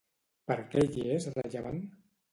Per què hi és rellevant?